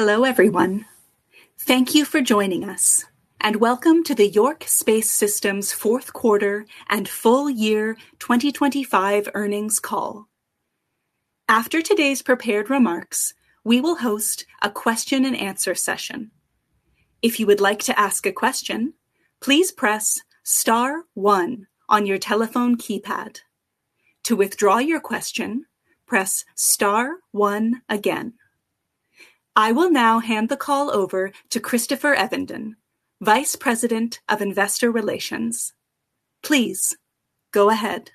Hello, everyone. Thank you for joining us and welcome to the York Space Systems fourth quarter and full year 2025 earnings call. After today's prepared remarks, we will host a question-and-answer session. If you would like to ask a question, please press star one on your telephone keypad. To withdraw your question, press star one again. I will now hand the call over to Christopher Evenden, Vice President of Investor Relations. Please go ahead.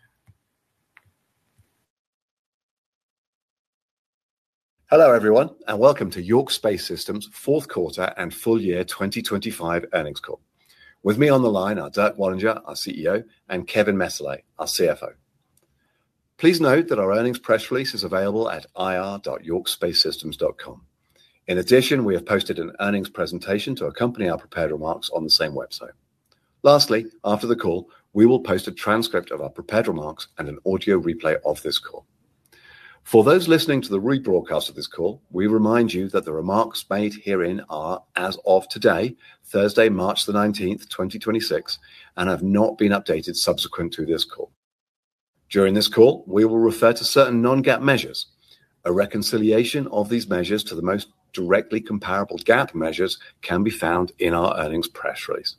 Hello, everyone, and welcome to York Space Systems fourth quarter and full year 2025 earnings call. With me on the line are Dirk Wallinger, our CEO, and Kevin Messerle, our CFO. Please note that our earnings press release is available at ir.yorkspacesystems.com. In addition, we have posted an earnings presentation to accompany our prepared remarks on the same website. Lastly, after the call, we will post a transcript of our prepared remarks and an audio replay of this call. For those listening to the rebroadcast of this call, we remind you that the remarks made herein are as of today, Thursday, March 19th, 2026, and have not been updated subsequent to this call. During this call, we will refer to certain non-GAAP measures. A reconciliation of these measures to the most directly comparable GAAP measures can be found in our earnings press release.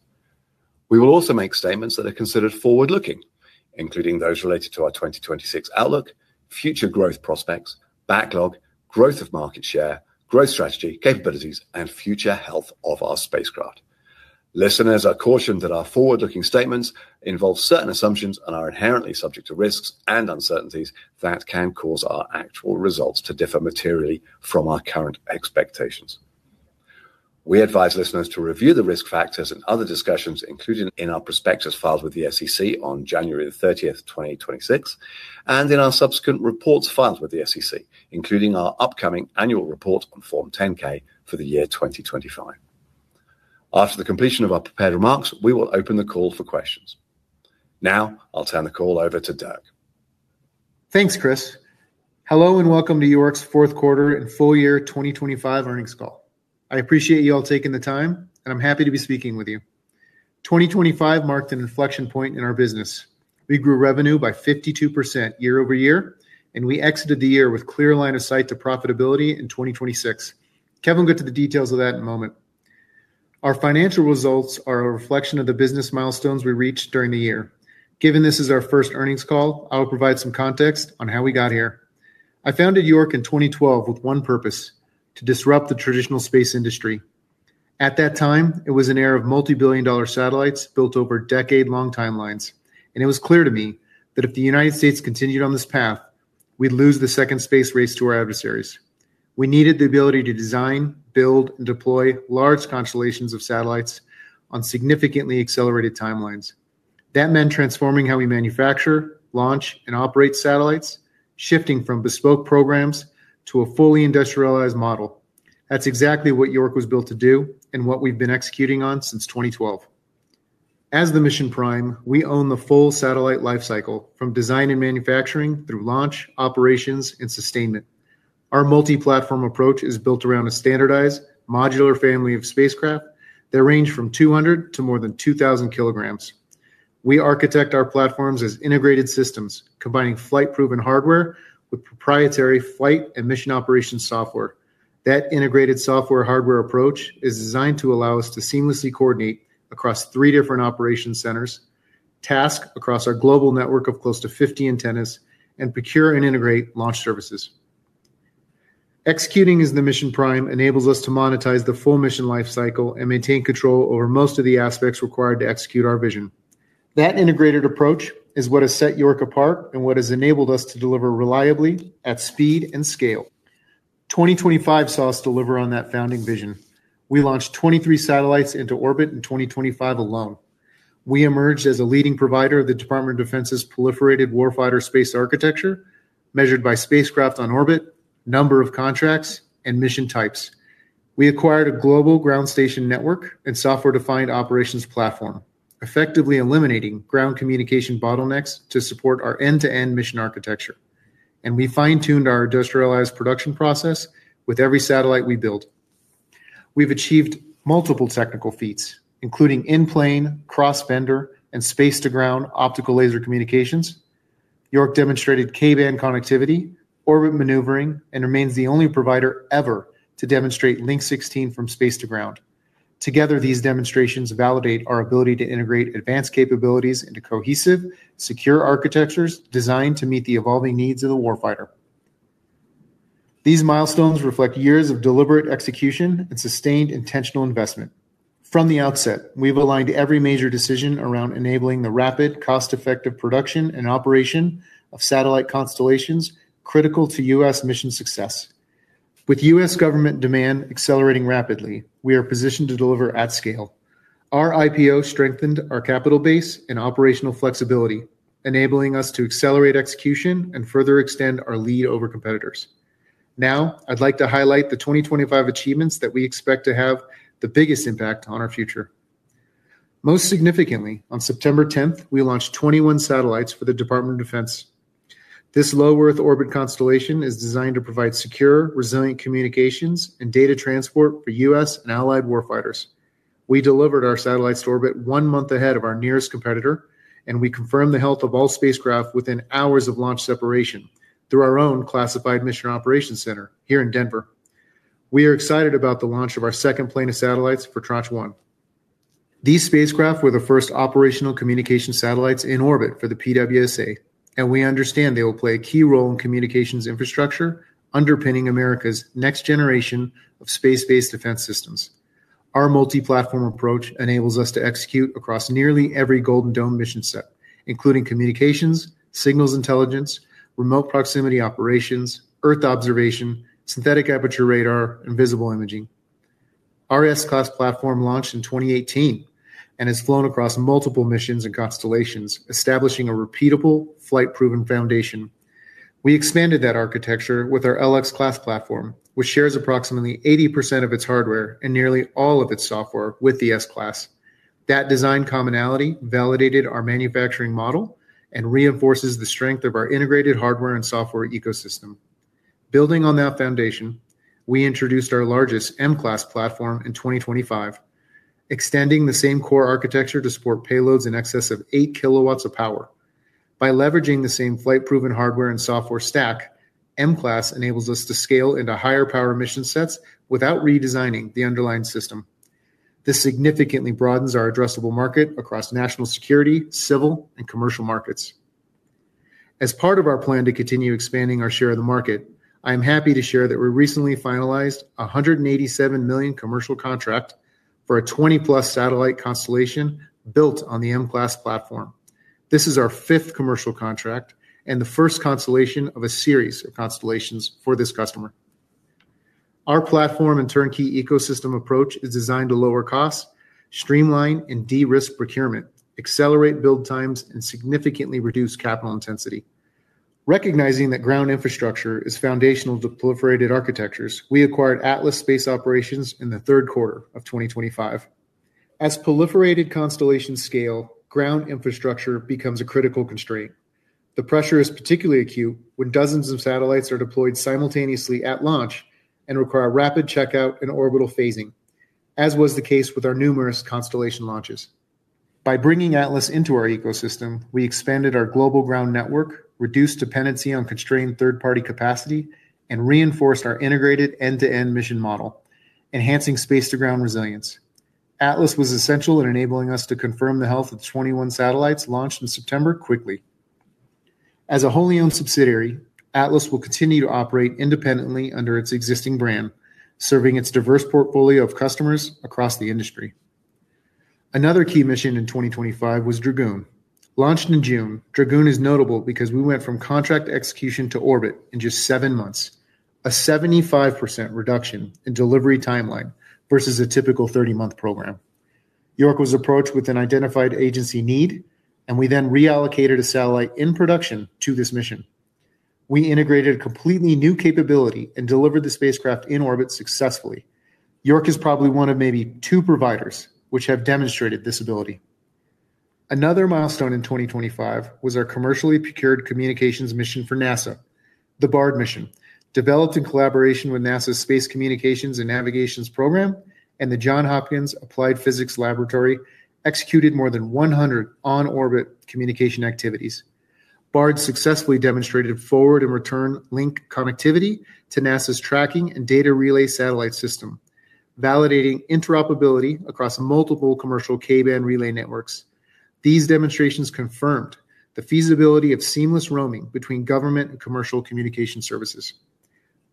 We will also make statements that are considered forward-looking, including those related to our 2026 outlook, future growth prospects, backlog, growth of market share, growth strategy, capabilities, and future health of our spacecraft. Listeners are cautioned that our forward-looking statements involve certain assumptions and are inherently subject to risks and uncertainties that can cause our actual results to differ materially from our current expectations. We advise listeners to review the risk factors and other discussions included in our prospectus filed with the SEC on January 30th, 2026, and in our subsequent reports filed with the SEC, including our upcoming annual report on Form 10-K for the year 2025. After the completion of our prepared remarks, we will open the call for questions. Now I'll turn the call over to Dirk. Thanks, Chris. Hello and welcome to York's fourth quarter and full year 2025 earnings call. I appreciate you all taking the time, and I'm happy to be speaking with you. 2025 marked an inflection point in our business. We grew revenue by 52% year-over-year, and we exited the year with clear line of sight to profitability in 2026. Kevin will go to the details of that in a moment. Our financial results are a reflection of the business milestones we reached during the year. Given this is our first earnings call, I will provide some context on how we got here. I founded York in 2012 with one purpose, to disrupt the traditional space industry. At that time, it was an era of multi-billion dollar satellites built over decade-long timelines, and it was clear to me that if the United States continued on this path, we'd lose the second space race to our adversaries. We needed the ability to design, build, and deploy large constellations of satellites on significantly accelerated timelines. That meant transforming how we manufacture, launch, and operate satellites, shifting from bespoke programs to a fully industrialized model. That's exactly what York was built to do and what we've been executing on since 2012. As the mission prime, we own the full satellite lifecycle from design and manufacturing through launch, operations, and sustainment. Our multi-platform approach is built around a standardized modular family of spacecraft that range from 200 kg to more than 2,000 kg. We architect our platforms as integrated systems, combining flight-proven hardware with proprietary flight and mission operations software. That integrated software hardware approach is designed to allow us to seamlessly coordinate across three different operation centers, task across our global network of close to 50 antennas, and procure and integrate launch services. Executing as the mission prime enables us to monetize the full mission lifecycle and maintain control over most of the aspects required to execute our vision. That integrated approach is what has set York apart and what has enabled us to deliver reliably at speed and scale. 2025 saw us deliver on that founding vision. We launched 23 satellites into orbit in 2025 alone. We emerged as a leading provider of the Department of Defense's Proliferated Warfighter Space Architecture, measured by spacecraft on orbit, number of contracts, and mission types. We acquired a global ground station network and software-defined operations platform, effectively eliminating ground communication bottlenecks to support our end-to-end mission architecture. We fine-tuned our industrialized production process with every satellite we build. We've achieved multiple technical feats, including in-plane, cross-vendor, and space to ground optical laser communications. York demonstrated K-band connectivity, orbit maneuvering, and remains the only provider ever to demonstrate Link 16 from space to ground. Together, these demonstrations validate our ability to integrate advanced capabilities into cohesive, secure architectures designed to meet the evolving needs of the warfighter. These milestones reflect years of deliberate execution and sustained intentional investment. From the outset, we've aligned every major decision around enabling the rapid, cost-effective production and operation of satellite constellations critical to U.S. mission success. With U.S. government demand accelerating rapidly, we are positioned to deliver at scale. Our IPO strengthened our capital base and operational flexibility, enabling us to accelerate execution and further extend our lead over competitors. Now, I'd like to highlight the 2025 achievements that we expect to have the biggest impact on our future. Most significantly, on September 10th, we launched 21 satellites for the Department of Defense. This low Earth orbit constellation is designed to provide secure, resilient communications and data transport for U.S. and Allied warfighters. We delivered our satellites to orbit one month ahead of our nearest competitor, and we confirmed the health of all spacecraft within hours of launch separation through our own classified Mission Operations Center here in Denver. We are excited about the launch of our second plane of satellites for Tranche 1. These spacecraft were the first operational communication satellites in orbit for the PWSA, and we understand they will play a key role in communications infrastructure underpinning America's next generation of space-based defense systems. Our multi-platform approach enables us to execute across nearly every Golden Dome mission set, including communications, signals intelligence, remote proximity operations, Earth observation, synthetic aperture radar, and visible imaging. Our S-CLASS platform launched in 2018 and has flown across multiple missions and constellations, establishing a repeatable flight-proven foundation. We expanded that architecture with our LX-CLASS platform, which shares approximately 80% of its hardware and nearly all of its software with the S-CLASS. That design commonality validated our manufacturing model and reinforces the strength of our integrated hardware and software ecosystem. Building on that foundation, we introduced our largest M-CLASS platform in 2025, extending the same core architecture to support payloads in excess of 8 kW of power. By leveraging the same flight-proven hardware and software stack, M-CLASS enables us to scale into higher power mission sets without redesigning the underlying system. This significantly broadens our addressable market across national security, civil, and commercial markets. As part of our plan to continue expanding our share of the market, I am happy to share that we recently finalized a $187 million commercial contract for a 20+ satellite constellation built on the M-CLASS platform. This is our fifth commercial contract and the first constellation of a series of constellations for this customer. Our platform and turnkey ecosystem approach is designed to lower costs, streamline and de-risk procurement, accelerate build times, and significantly reduce capital intensity. Recognizing that ground infrastructure is foundational to proliferated architectures, we acquired ATLAS Space Operations in the third quarter of 2025. As proliferated constellations scale, ground infrastructure becomes a critical constraint. The pressure is particularly acute when dozens of satellites are deployed simultaneously at launch and require rapid checkout and orbital phasing, as was the case with our numerous constellation launches. By bringing ATLAS into our ecosystem, we expanded our global ground network, reduced dependency on constrained third-party capacity, and reinforced our integrated end-to-end mission model, enhancing space to ground resilience. ATLAS was essential in enabling us to confirm the health of 21 satellites launched in September quickly. As a wholly owned subsidiary, ATLAS will continue to operate independently under its existing brand, serving its diverse portfolio of customers across the industry. Another key mission in 2025 was Dragoon. Launched in June, Dragoon is notable because we went from contract execution to orbit in just 7 months, a 75% reduction in delivery timeline versus a typical 30-month program. York was approached with an identified agency need, and we then reallocated a satellite in production to this mission. We integrated a completely new capability and delivered the spacecraft in orbit successfully. York is probably one of maybe two providers which have demonstrated this ability. Another milestone in 2025 was our commercially procured communications mission for NASA. The BARD mission, developed in collaboration with NASA's Space Communications and Navigation Program and the Johns Hopkins Applied Physics Laboratory, executed more than 100 on-orbit communication activities. BARD successfully demonstrated forward and return link connectivity to NASA's Tracking and Data Relay Satellite System, validating interoperability across multiple commercial K-band relay networks. These demonstrations confirmed the feasibility of seamless roaming between government and commercial communication services.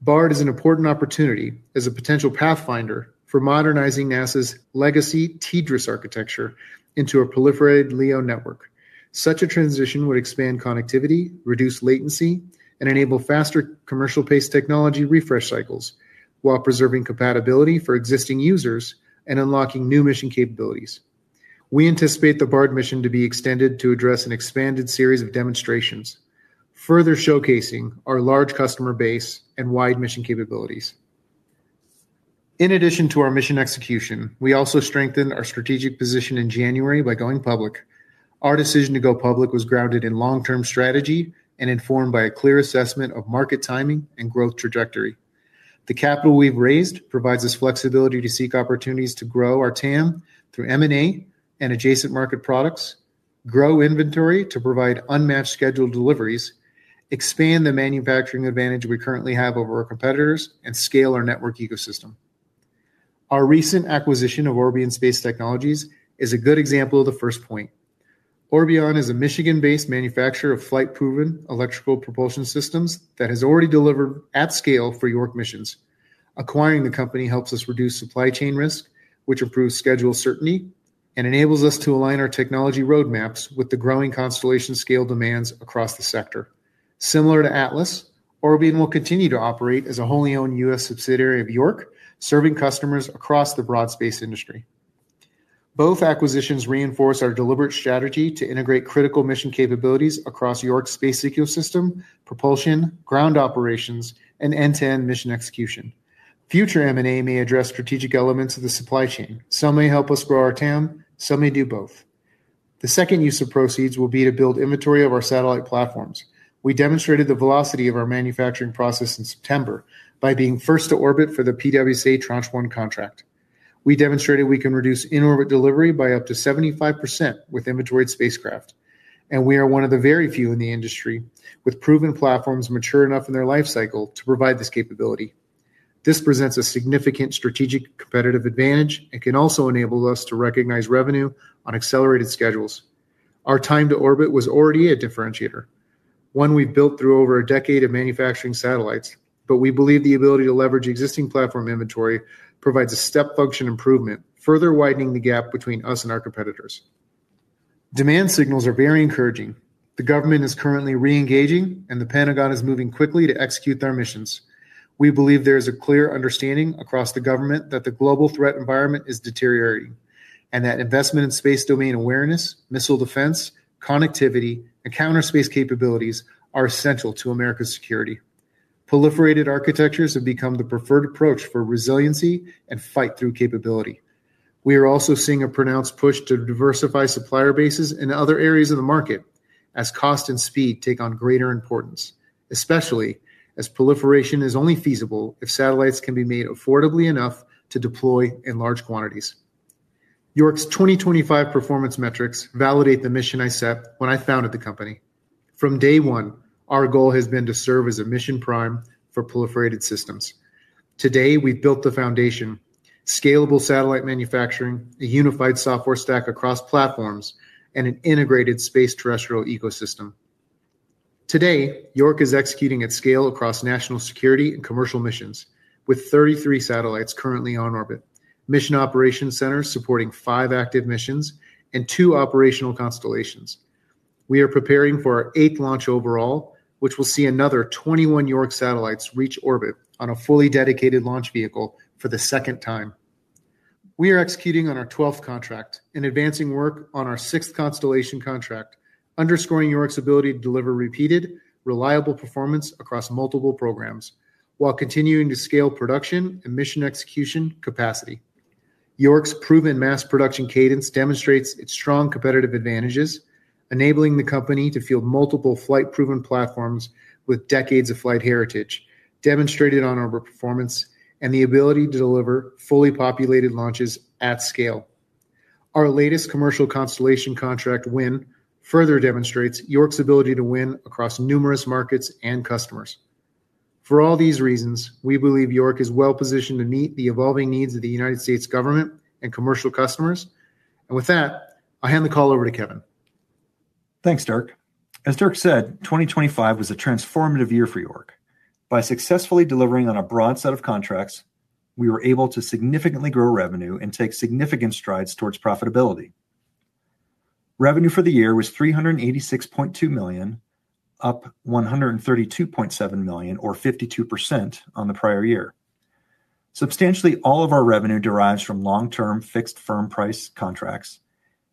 BARD is an important opportunity as a potential pathfinder for modernizing NASA's legacy TDRS architecture into a proliferated LEO network. Such a transition would expand connectivity, reduce latency, and enable faster commercial pace technology refresh cycles while preserving compatibility for existing users and unlocking new mission capabilities. We anticipate the BARD mission to be extended to address an expanded series of demonstrations, further showcasing our large customer base and wide mission capabilities. In addition to our mission execution, we also strengthened our strategic position in January by going public. Our decision to go public was grounded in long-term strategy and informed by a clear assessment of market timing and growth trajectory. The capital we've raised provides us flexibility to seek opportunities to grow our TAM through M&A and adjacent market products, grow inventory to provide unmatched scheduled deliveries, expand the manufacturing advantage we currently have over our competitors, and scale our network ecosystem. Our recent acquisition of Orbion Space Technology is a good example of the first point. Orbion is a Michigan-based manufacturer of flight-proven electrical propulsion systems that has already delivered at scale for York missions. Acquiring the company helps us reduce supply chain risk, which improves schedule certainty and enables us to align our technology roadmaps with the growing constellation scale demands across the sector. Similar to ATLAS, Orbion will continue to operate as a wholly owned U.S. subsidiary of York, serving customers across the broad space industry. Both acquisitions reinforce our deliberate strategy to integrate critical mission capabilities across York's space ecosystem, propulsion, ground operations, and end-to-end mission execution. Future M&A may address strategic elements of the supply chain. Some may help us grow our TAM. Some may do both. The second use of proceeds will be to build inventory of our satellite platforms. We demonstrated the velocity of our manufacturing process in September by being first to orbit for the PWSA Tranche 1 contract. We demonstrated we can reduce in-orbit delivery by up to 75% with inventoried spacecraft. We are one of the very few in the industry with proven platforms mature enough in their life cycle to provide this capability. This presents a significant strategic competitive advantage and can also enable us to recognize revenue on accelerated schedules. Our time to orbit was already a differentiator, one we built through over a decade of manufacturing satellites. We believe the ability to leverage existing platform inventory provides a step function improvement, further widening the gap between us and our competitors. Demand signals are very encouraging. The government is currently re-engaging, and the Pentagon is moving quickly to execute their missions. We believe there is a clear understanding across the government that the global threat environment is deteriorating. That investment in space domain awareness, missile defense, connectivity, and counter space capabilities are essential to America's security. Proliferated architectures have become the preferred approach for resiliency and fight through capability. We are also seeing a pronounced push to diversify supplier bases in other areas of the market as cost and speed take on greater importance, especially as proliferation is only feasible if satellites can be made affordably enough to deploy in large quantities. York's 2025 performance metrics validate the mission I set when I founded the company. From day one, our goal has been to serve as a mission prime for proliferated systems. Today, we've built the foundation, scalable satellite manufacturing, a unified software stack across platforms, and an integrated space-terrestrial ecosystem. Today, York is executing at scale across national security and commercial missions, with 33 satellites currently on orbit. Mission operations centers supporting five active missions and two operational constellations. We are preparing for our eighth launch overall, which will see another 21 York satellites reach orbit on a fully dedicated launch vehicle for the second time. We are executing on our 12th contract and advancing work on our sixth constellation contract, underscoring York's ability to deliver repeated, reliable performance across multiple programs while continuing to scale production and mission execution capacity. York's proven mass production cadence demonstrates its strong competitive advantages, enabling the company to field multiple flight-proven platforms with decades of flight heritage demonstrated on-orbit performance and the ability to deliver fully populated launches at scale. Our latest commercial constellation contract win further demonstrates York's ability to win across numerous markets and customers. For all these reasons, we believe York is well-positioned to meet the evolving needs of the United States government and commercial customers. With that, I hand the call over to Kevin. Thanks, Dirk. As Dirk said, 2025 was a transformative year for York. By successfully delivering on a broad set of contracts, we were able to significantly grow revenue and take significant strides towards profitability. Revenue for the year was $386.2 million, up $132.7 million or 52% on the prior year. Substantially all of our revenue derives from long-term fixed firm price contracts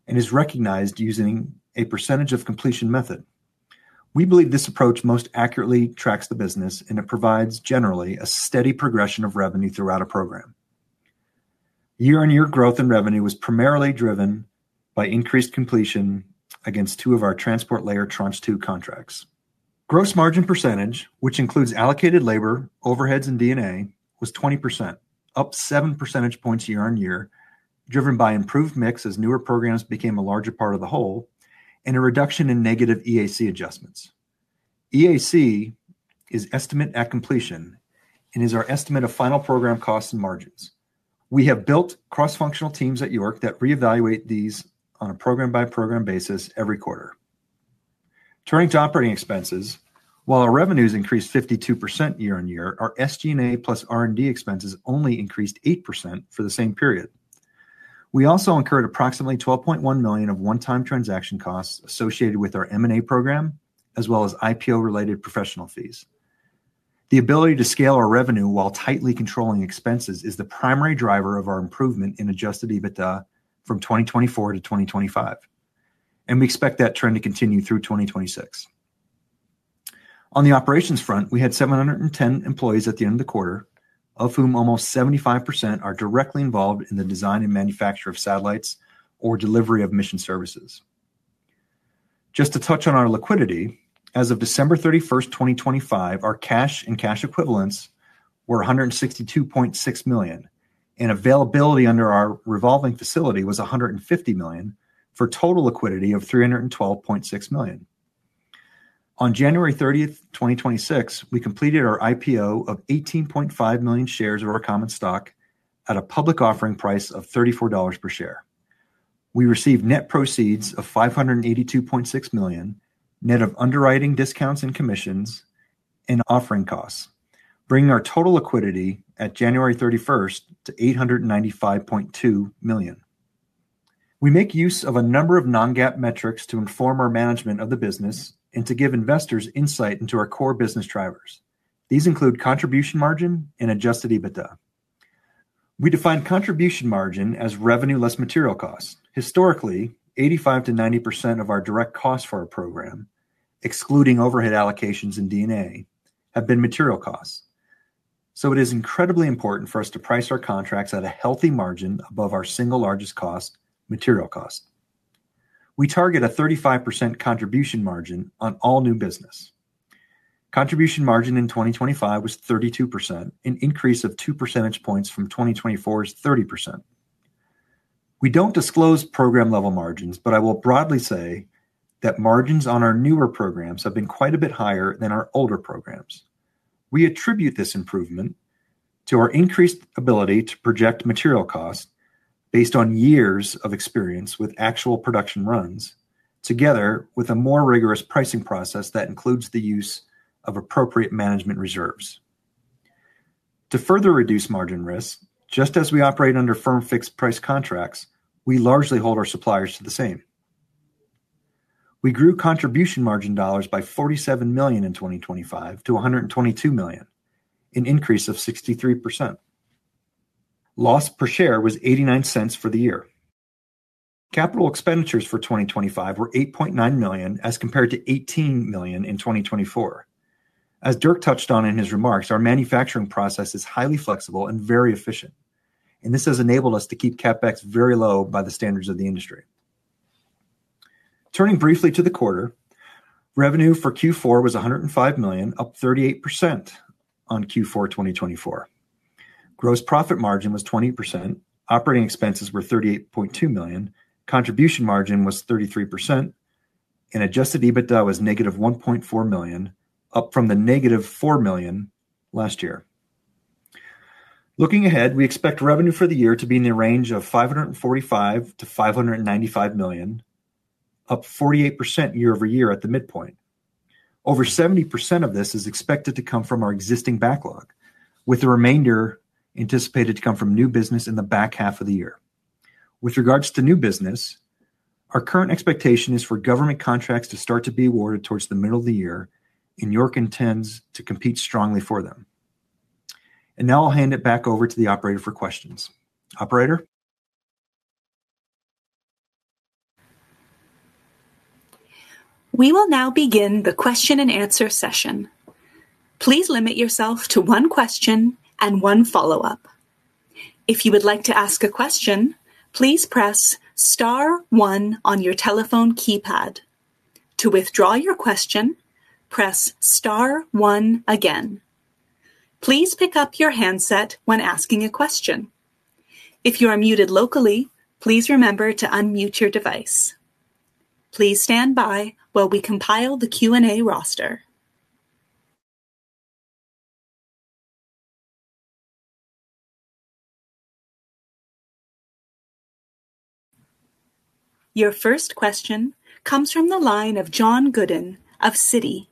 and is recognized using a percentage of completion method. We believe this approach most accurately tracks the business, and it provides generally a steady progression of revenue throughout a program. Year-over-year growth in revenue was primarily driven by increased completion against two of our transport layer Tranche 2 contracts. Gross margin percentage, which includes allocated labor, overheads, and D&A, was 20%, up 7 percentage points year-on-year, driven by improved mix as newer programs became a larger part of the whole and a reduction in negative EAC adjustments. EAC is estimate at completion and is our estimate of final program costs and margins. We have built cross-functional teams at York that reevaluate these on a program-by-program basis every quarter. Turning to operating expenses, while our revenues increased 52% year-on-year, our SG&A plus R&D expenses only increased 8% for the same period. We also incurred approximately $12.1 million of one-time transaction costs associated with our M&A program, as well as IPO-related professional fees. The ability to scale our revenue while tightly controlling expenses is the primary driver of our improvement in adjusted EBITDA from 2024-2025. We expect that trend to continue through 2026. On the operations front, we had 710 employees at the end of the quarter, of whom almost 75% are directly involved in the design and manufacture of satellites or delivery of mission services. Just to touch on our liquidity, as of December 31st, 2025, our cash and cash equivalents were $162.6 million, and availability under our revolving facility was $150 million for total liquidity of $312.6 million. On January 30th, 2026, we completed our IPO of 18.5 million shares of our common stock at a public offering price of $34 per share. We received net proceeds of $582.6 million, net of underwriting discounts and commissions and offering costs, bringing our total liquidity at January 31st to $895.2 million. We make use of a number of non-GAAP metrics to inform our management of the business and to give investors insight into our core business drivers. These include contribution margin and adjusted EBITDA. We define contribution margin as revenue less material costs. Historically, 85%-90% of our direct costs for a program, excluding overhead allocations and D&A, have been material costs. It is incredibly important for us to price our contracts at a healthy margin above our single largest cost, material cost. We target a 35% contribution margin on all new business. Contribution margin in 2025 was 32%, an increase of 2 percentage points from 2024's 30%. We don't disclose program-level margins, but I will broadly say that margins on our newer programs have been quite a bit higher than our older programs. We attribute this improvement to our increased ability to project material costs based on years of experience with actual production runs, together with a more rigorous pricing process that includes the use of appropriate management reserves. To further reduce margin risks, just as we operate under firm fixed-price contracts, we largely hold our suppliers to the same. We grew contribution margin dollars by $47 million in 2025 to $122 million, an increase of 63%. Loss per share was $0.89 for the year. Capital expenditures for 2025 were $8.9 million, as compared to $18 million in 2024. As Dirk touched on in his remarks, our manufacturing process is highly flexible and very efficient, and this has enabled us to keep CapEx very low by the standards of the industry. Turning briefly to the quarter, revenue for Q4 was $105 million, up 38% on Q4 2024. Gross profit margin was 20%. Operating expenses were $38.2 million. Contribution margin was 33%. Adjusted EBITDA was -$1.4 million, up from -$4 million last year. Looking ahead, we expect revenue for the year to be in the range of $545 million-$595 million, up 48% year-over-year at the midpoint. Over 70% of this is expected to come from our existing backlog, with the remainder anticipated to come from new business in the back half of the year. With regards to new business, our current expectation is for government contracts to start to be awarded towards the middle of the year, and York intends to compete strongly for them. Now I'll hand it back over to the operator for questions. Operator? We will now begin the question-and-answer session. Please limit yourself to one question and one follow-up. If you would like to ask a question, please press star one on your telephone keypad. To withdraw your question, press star one again. Please pick up your handset when asking a question. If you are muted locally, please remember to unmute your device. Please stand by while we compile the Q&A roster. Your first question comes from the line of John Godyn of Citi.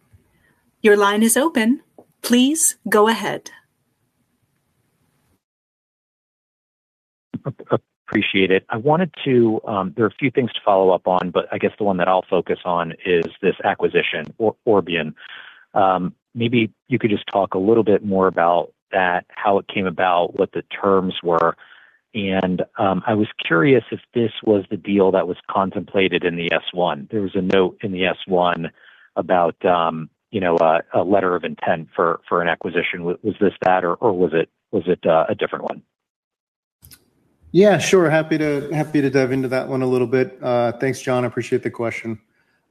Your line is open. Please go ahead. Appreciate it. I wanted to. There are a few things to follow up on, but I guess the one that I'll focus on is this acquisition, Orbion. Maybe you could just talk a little bit more about that, how it came about, what the terms were. I was curious if this was the deal that was contemplated in the S-1. There was a note in the S-1 about, you know, a letter of intent for an acquisition. Was this that, or was it a different one? Yeah, sure. Happy to dive into that one a little bit. Thanks, John. I appreciate the question.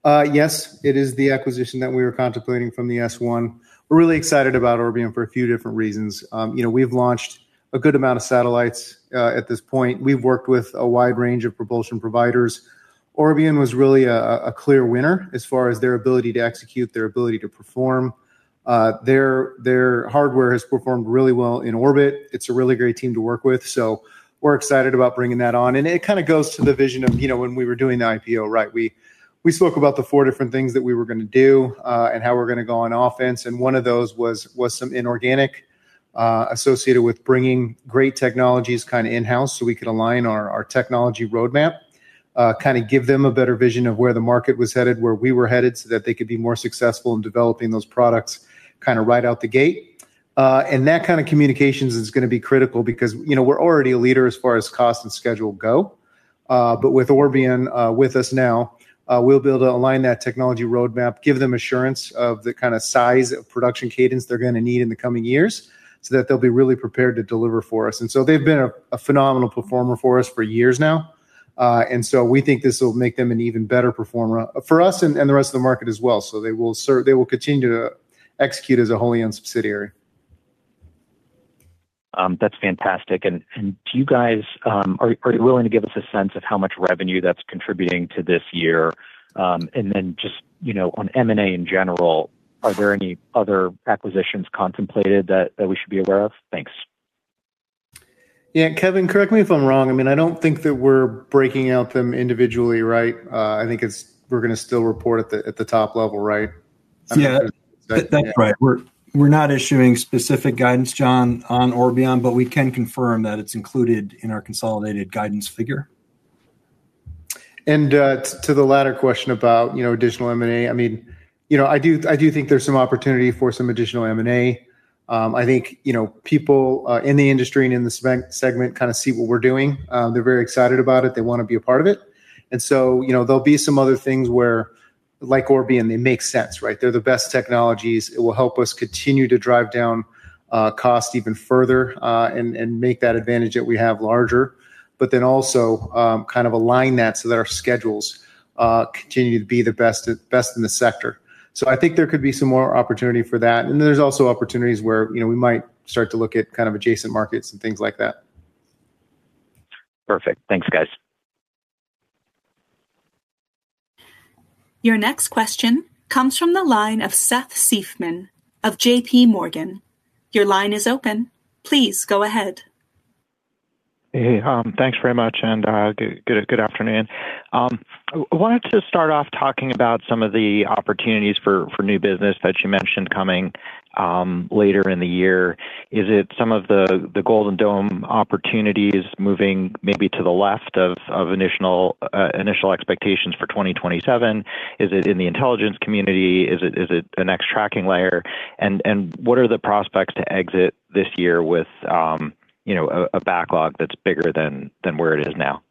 Yes, it is the acquisition that we were contemplating from the S-1. We're really excited about Orbion for a few different reasons. You know, we've launched a good amount of satellites at this point. We've worked with a wide range of propulsion providers. Orbion was really a clear winner as far as their ability to execute, their ability to perform. Their hardware has performed really well in orbit. It's a really great team to work with, so we're excited about bringing that on. It kinda goes to the vision of, you know, when we were doing the IPO, right? We spoke about the four different things that we were gonna do and how we're gonna go on offense, and one of those was some inorganic associated with bringing great technologies kinda in-house so we could align our technology roadmap. Kinda give them a better vision of where the market was headed, where we were headed, so that they could be more successful in developing those products kinda right out the gate. That kind of communications is gonna be critical because, you know, we're already a leader as far as cost and schedule go. With Orbion, with us now, we'll be able to align that technology roadmap, give them assurance of the kinda size of production cadence they're gonna need in the coming years, so that they'll be really prepared to deliver for us. They've been a phenomenal performer for us for years now. We think this will make them an even better performer for us and the rest of the market as well. They will continue to execute as a wholly owned subsidiary. That's fantastic. Do you guys, are you willing to give us a sense of how much revenue that's contributing to this year? Then just, you know, on M&A in general, are there any other acquisitions contemplated that we should be aware of? Thanks. Yeah. Kevin, correct me if I'm wrong. I mean, I don't think that we're breaking out them individually, right? I think it's we're gonna still report at the top level, right? I'm not sure. Yeah. That's right. We're not issuing specific guidance, John, on Orbion, but we can confirm that it's included in our consolidated guidance figure. To the latter question about, you know, additional M&A, I mean, you know, I do think there's some opportunity for some additional M&A. I think, you know, people in the industry and in the segment kinda see what we're doing. They're very excited about it. They wanna be a part of it. You know, there'll be some other things where, like Orbion, they make sense, right? They're the best technologies. It will help us continue to drive down costs even further, and make that advantage that we have larger. Also, kind of align that so that our schedules continue to be the best in the sector. So I think there could be some more opportunity for that. There's also opportunities where, you know, we might start to look at kind of adjacent markets and things like that. Perfect. Thanks, guys. Your next question comes from the line of Seth Seifman of JPMorgan. Your line is open. Please go ahead. Hey, thanks very much, and good afternoon. I wanted to start off talking about some of the opportunities for new business that you mentioned coming later in the year. Is it some of the Golden Dome opportunities moving maybe to the left of initial expectations for 2027? Is it in the intelligence community? Is it the next tracking layer? And what are the prospects to exit this year with, you know, a backlog that's bigger than where it is now?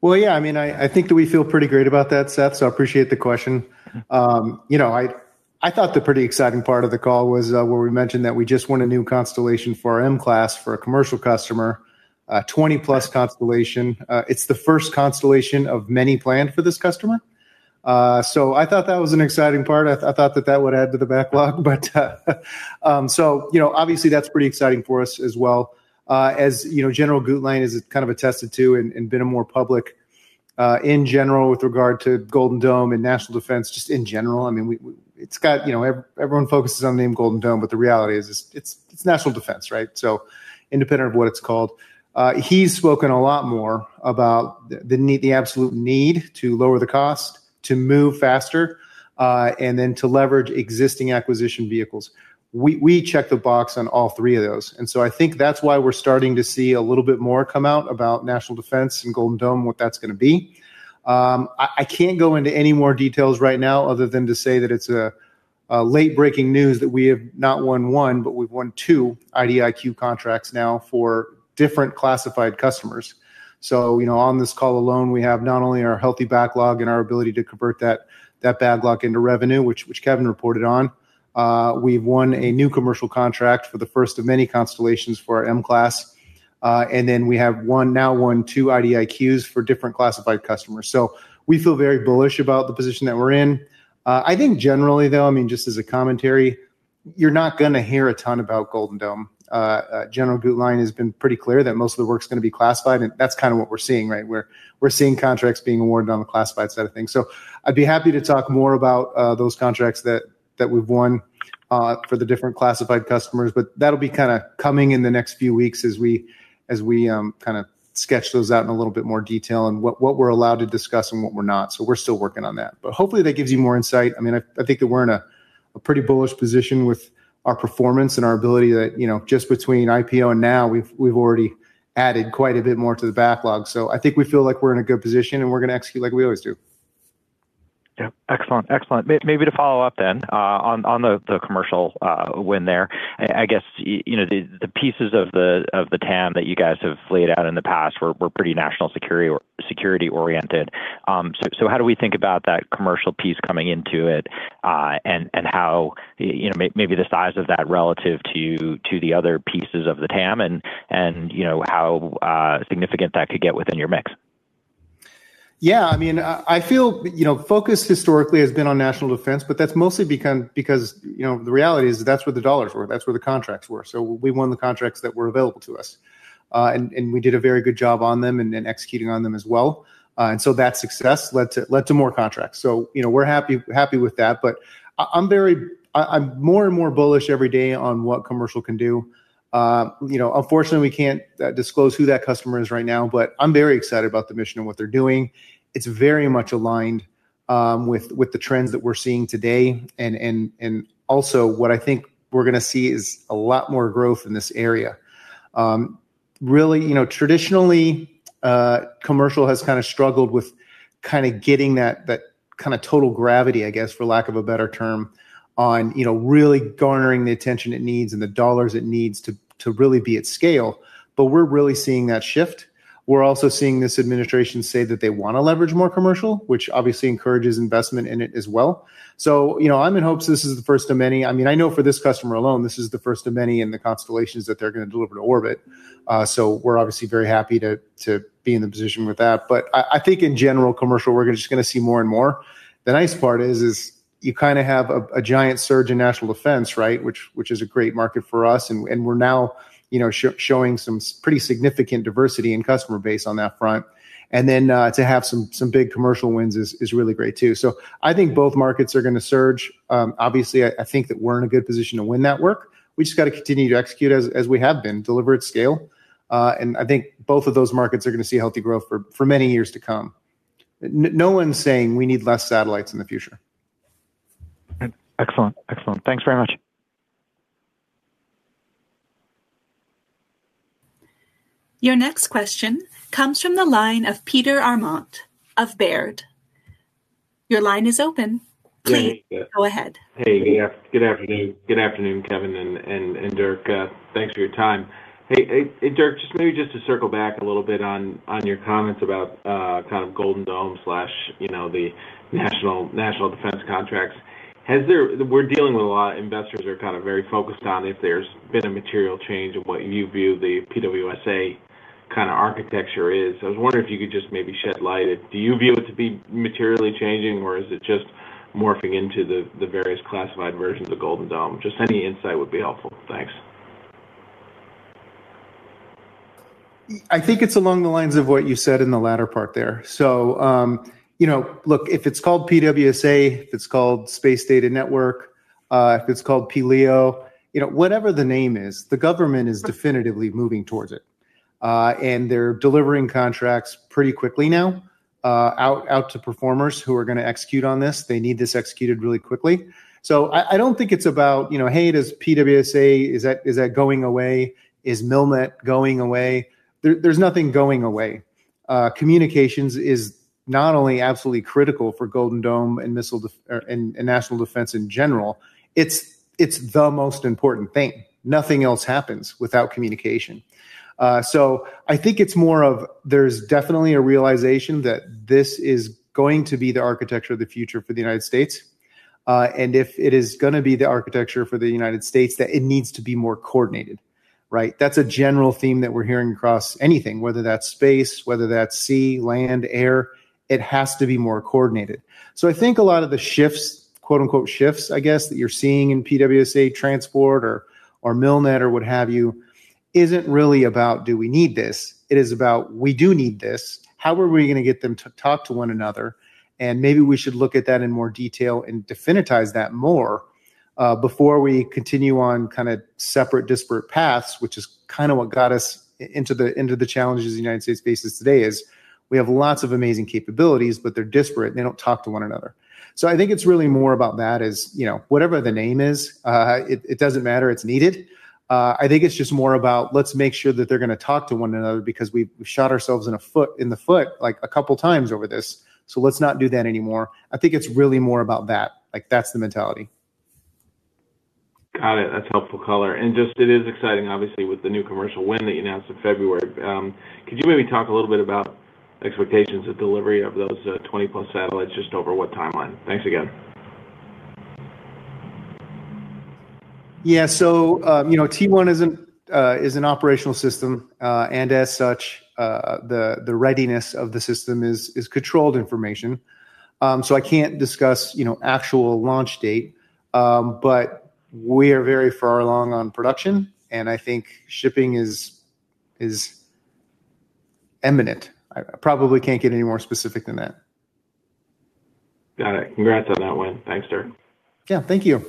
Well, yeah, I mean, I think that we feel pretty great about that, Seth, so I appreciate the question. You know, I thought the pretty exciting part of the call was where we mentioned that we just won a new constellation for our M-CLASS, for a commercial customer, 20+ constellation. It's the first constellation of many planned for this customer. I thought that was an exciting part. I thought that that would add to the backlog. So, you know, obviously that's pretty exciting for us as well. As you know, General Guetlein has kind of attested to and been more public in general with regard to Golden Dome and national defense just in general. I mean, it's got, you know, everyone focuses on the name Golden Dome, but the reality is it's national defense, right? Independent of what it's called. He's spoken a lot more about the need, the absolute need to lower the cost, to move faster, and then to leverage existing acquisition vehicles. We check the box on all three of those. I think that's why we're starting to see a little bit more come out about national defense and Golden Dome, what that's gonna be. I can't go into any more details right now other than to say that it's a late-breaking news that we have not won one, but we've won two IDIQ contracts now for different classified customers. You know, on this call alone, we have not only our healthy backlog and our ability to convert that backlog into revenue, which Kevin reported on, we've won a new commercial contract for the first of many constellations for our M-CLASS. And then we have now won two IDIQs for different classified customers. We feel very bullish about the position that we're in. I think generally though, I mean, just as a commentary, you're not gonna hear a ton about Golden Dome. General Guetlein has been pretty clear that most of the work's gonna be classified, and that's kind of what we're seeing, right? We're seeing contracts being awarded on the classified side of things. I'd be happy to talk more about those contracts that we've won for the different classified customers, but that'll be kinda coming in the next few weeks as we kinda sketch those out in a little bit more detail and what we're allowed to discuss and what we're not. We're still working on that. Hopefully that gives you more insight. I mean, I think that we're in a pretty bullish position with our performance and our ability to, you know, just between IPO and now, we've already added quite a bit more to the backlog. I think we feel like we're in a good position, and we're gonna execute like we always do. Yeah. Excellent. Maybe to follow up then on the commercial win there. I guess, you know, the pieces of the TAM that you guys have laid out in the past were pretty national security-oriented. How do we think about that commercial piece coming into it, and how, you know, maybe the size of that relative to the other pieces of the TAM, and, you know, how significant that could get within your mix? Yeah, I mean, I feel you know focus historically has been on national defense, but that's mostly been because you know the reality is that's where the dollars were, that's where the contracts were. We won the contracts that were available to us. We did a very good job on them and then executing on them as well. That success led to more contracts. You know, we're happy with that. But I'm more and more bullish every day on what commercial can do. You know, unfortunately, we can't disclose who that customer is right now, but I'm very excited about the mission and what they're doing. It's very much aligned with the trends that we're seeing today and also what I think we're gonna see is a lot more growth in this area. Really, you know, traditionally, commercial has kind of struggled with kind of getting that kind of total gravity, I guess, for lack of a better term, on, you know, really garnering the attention it needs and the dollars it needs to really be at scale. We're really seeing that shift. We're also seeing this administration say that they wanna leverage more commercial, which obviously encourages investment in it as well. You know, I'm in hopes this is the first of many. I mean, I know for this customer alone, this is the first of many in the constellations that they're gonna deliver to orbit. We're obviously very happy to be in the position with that. I think in general, commercial, we're just gonna see more and more. The nice part is you kind of have a giant surge in national defense, right? Which is a great market for us, and we're now, you know, showing some pretty significant diversity in customer base on that front. To have some big commercial wins is really great too. I think both markets are gonna surge. Obviously, I think that we're in a good position to win that work. We just gotta continue to execute as we have been, deliver at scale. I think both of those markets are gonna see healthy growth for many years to come. No one's saying we need less satellites in the future. Excellent. Thanks very much. Your next question comes from the line of Peter Arment of Baird. Your line is open. Please, go ahead. Yeah, good afternoon. Good afternoon, Kevin and Dirk. Thanks for your time. Hey, Dirk, just to circle back a little bit on your comments about kind of Golden Dome/national defense contracts. We're dealing with a lot of investors who are kind of very focused on if there's been a material change in what you view the PWSA kind of architecture is. I was wondering if you could just maybe shed light. Do you view it to be materially changing, or is it just morphing into the various classified versions of Golden Dome? Just any insight would be helpful. Thanks. I think it's along the lines of what you said in the latter part there. You know, look, if it's called PWSA, if it's called Space Data Network, if it's called pLEO, you know, whatever the name is, the government is definitively moving towards it. They're delivering contracts pretty quickly now, out to performers who are gonna execute on this. They need this executed really quickly. I don't think it's about, you know, "Hey, does PWSA, is that going away? Is MILNET going away?" There's nothing going away. Communications is not only absolutely critical for Golden Dome and national defense in general, it's the most important thing. Nothing else happens without communication. I think it's more of there's definitely a realization that this is going to be the architecture of the future for the United States. If it is gonna be the architecture for the United States, that it needs to be more coordinated, right? That's a general theme that we're hearing across anything, whether that's space, whether that's sea, land, air, it has to be more coordinated. I think a lot of the shifts, quote unquote, shifts, I guess, that you're seeing in PWSA transport or MILNET or what have you, isn't really about, do we need this? It is about, we do need this. How are we gonna get them to talk to one another? Maybe we should look at that in more detail and definitize that more, before we continue on kind of separate disparate paths, which is kind of what got us into the challenges the United States faces today, that is, we have lots of amazing capabilities, but they're disparate, and they don't talk to one another. I think it's really more about that, you know, whatever the name is, it doesn't matter. It's needed. I think it's just more about let's make sure that they're gonna talk to one another because we've shot ourselves in the foot, like, a couple times over this, so let's not do that anymore. I think it's really more about that. Like, that's the mentality. Got it. That's helpful color. Just it is exciting, obviously, with the new commercial win that you announced in February. Could you maybe talk a little bit about expectations of delivery of those, 20+ satellites, just over what timeline? Thanks again. Yeah. You know, T1 is an operational system. As such, the readiness of the system is controlled information. I can't discuss, you know, actual launch date. We are very far along on production, and I think shipping is imminent. I probably can't get any more specific than that. Got it. Congrats on that win. Thanks, Dirk. Yeah, thank you.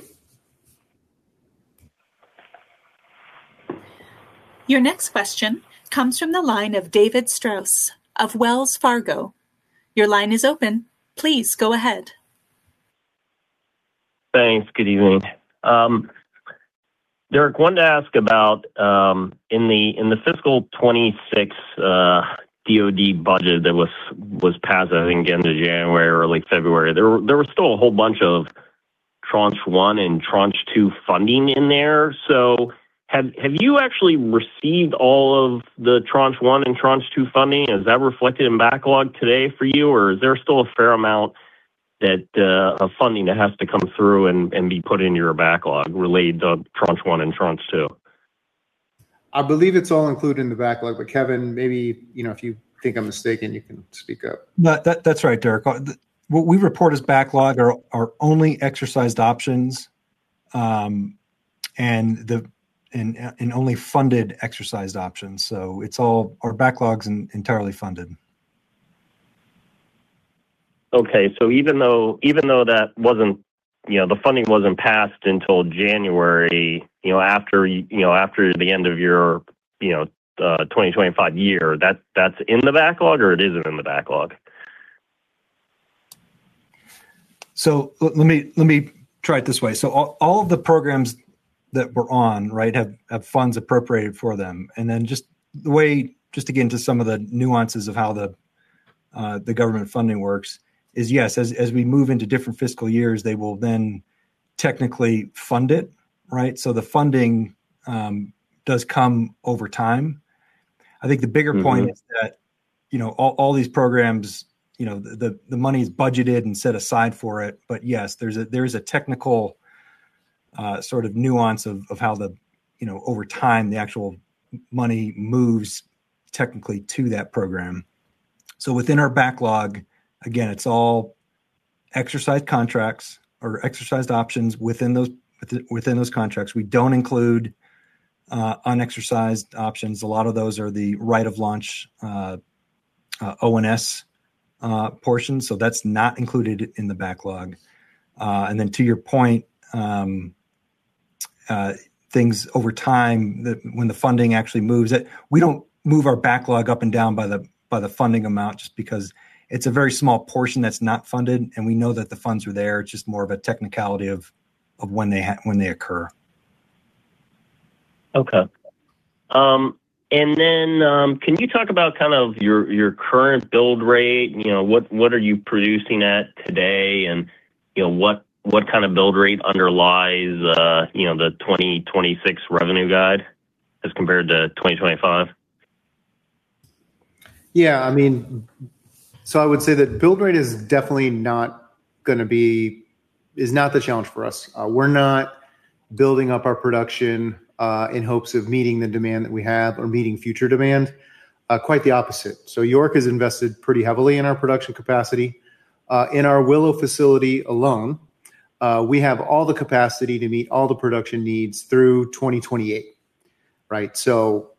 Your next question comes from the line of David Strauss of Wells Fargo. Your line is open. Please go ahead. Thanks. Good evening. Dirk, wanted to ask about in the fiscal 2026 DoD budget that was passed, I think, end of January or late February, there were still a whole bunch of Tranche 1 and Tranche 2 funding in there. Have you actually received all of the Tranche 1 and Tranche 2 funding? Is that reflected in backlog today for you, or is there still a fair amount that of funding that has to come through and be put in your backlog related to Tranche 1 and Tranche 2? I believe it's all included in the backlog. Kevin, maybe, you know, if you think I'm mistaken, you can speak up. No. That's right, Dirk. What we report as backlog are only exercised options, and only funded exercised options. It's all our backlog's entirely funded. Okay. Even though that wasn't you know, the funding wasn't passed until January, you know, after the end of your, you know, 2025 year, that's in the backlog or it isn't in the backlog? Let me try it this way. All of the programs that we're on, right? Have funds appropriated for them. Then just to get into some of the nuances of how the government funding works is, yes, as we move into different fiscal years, they will then technically fund it, right? The funding does come over time. I think the bigger point is that, you know, all these programs, you know, the money is budgeted and set aside for it. Yes, there is a technical sort of nuance of how the, you know, over time, the actual money moves technically to that program. Within our backlog, again, it's all exercised contracts or exercised options within those contracts. We don't include unexercised options. A lot of those are the right of launch O&S portions. That's not included in the backlog. To your point, things over time, when the funding actually moves it, we don't move our backlog up and down by the funding amount just because it's a very small portion that's not funded, and we know that the funds are there. It's just more of a technicality of when they occur. Okay. Can you talk about kind of your current build rate? You know, what are you producing at today? You know, what kind of build rate underlies you know, the 2026 revenue guide as compared to 2025? I mean, I would say that build rate is not the challenge for us. We're not building up our production in hopes of meeting the demand that we have or meeting future demand. Quite the opposite. York has invested pretty heavily in our production capacity. In our Willow facility alone, we have all the capacity to meet all the production needs through 2028, right?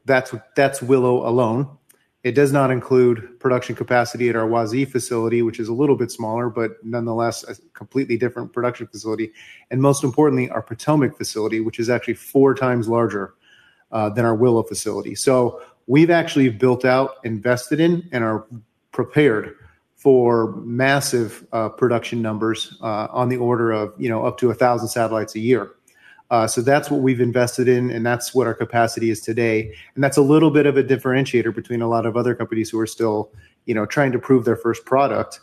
That's Willow alone. It does not include production capacity at our Wazee facility, which is a little bit smaller, but nonetheless, a completely different production facility. Most importantly, our Potomac facility, which is actually four times larger than our Willow facility. We've actually built out, invested in, and are prepared for massive production numbers on the order of, you know, up to 1,000 satellites a year. That's what we've invested in, and that's what our capacity is today. That's a little bit of a differentiator between a lot of other companies who are still, you know, trying to prove their first product.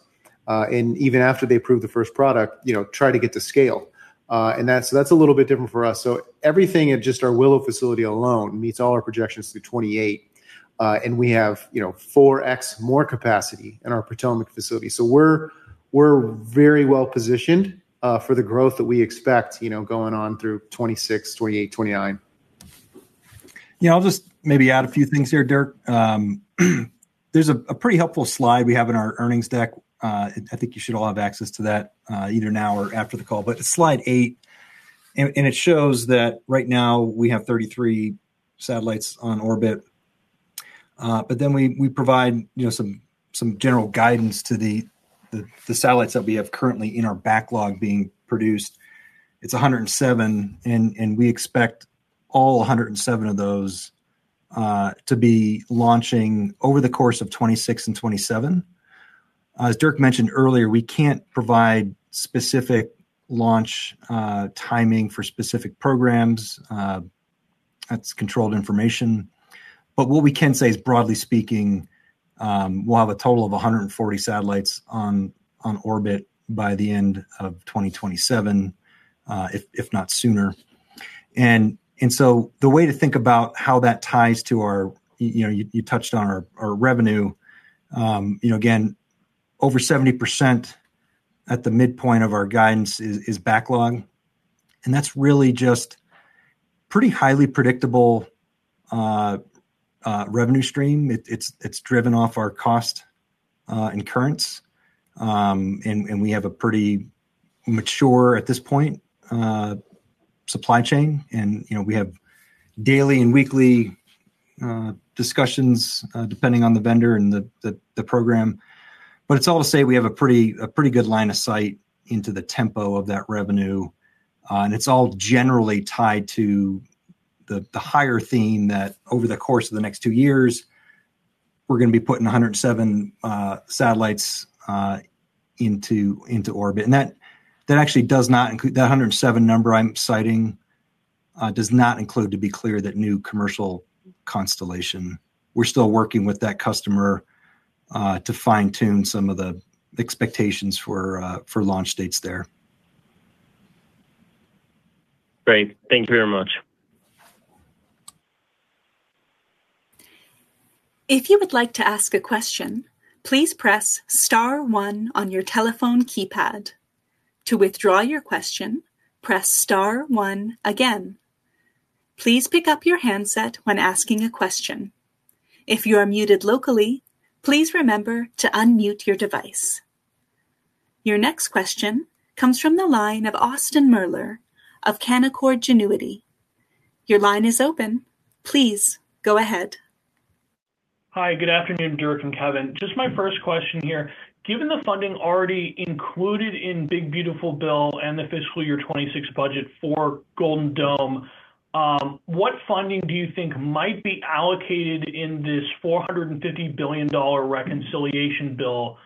Even after they prove the first product, you know, try to get to scale. That's a little bit different for us. Everything at just our Willow facility alone meets all our projections through 2028. We have, you know, 4x more capacity in our Potomac facility. We're very well-positioned for the growth that we expect, you know, going on through 2026, 2028, 2029. Yeah. I'll just maybe add a few things here, Dirk. There's a pretty helpful slide we have in our earnings deck. I think you should all have access to that, either now or after the call. Slide eight, and it shows that right now we have 33 satellites on orbit. We provide you know some general guidance to the satellites that we have currently in our backlog being produced. It's 107, and we expect all 107 of those to be launching over the course of 2026 and 2027. As Dirk mentioned earlier, we can't provide specific launch timing for specific programs. That's controlled information. What we can say is, broadly speaking, we'll have a total of 140 satellites on orbit by the end of 2027, if not sooner. The way to think about how that ties to our you know, you touched on our revenue. You know, again, over 70% at the midpoint of our guidance is backlog, and that's really just pretty highly predictable revenue stream. It's driven off our cost incurrence. We have a pretty mature, at this point, supply chain. You know, we have daily and weekly discussions, depending on the vendor and the program. It's all to say we have a pretty good line of sight into the tempo of that revenue. It's all generally tied to the higher theme that over the course of the next two years, we're gonna be putting 107 satellites into orbit. That actually does not include. That 107 number I'm citing does not include, to be clear, that new commercial constellation. We're still working with that customer to fine-tune some of the expectations for launch dates there. Great. Thank you very much. If you would like to ask a question, please press star one on your telephone keypad. To withdraw your question, press star one again. Please pick up your handset when asking a question. If you are muted locally, please remember to unmute your device. Your next question comes from the line of Austin Moeller of Canaccord Genuity. Your line is open. Please go ahead. Hi. Good afternoon, Dirk and Kevin. Just my first question here. Given the funding already included in the One Big Beautiful Bill Act and the fiscal year 2026 budget for Golden Dome, what funding do you think might be allocated in this $450 billion reconciliation bill